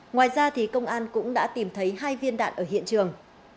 ngoài ra công an cũng đã tìm thấy hai viên đạn ở hiện trường